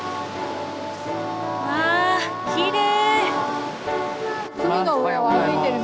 わきれい！